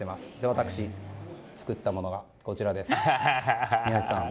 私が作ったものがこちらです。